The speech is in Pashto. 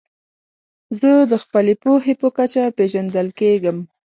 زه د خپلي پوهي په کچه پېژندل کېږم.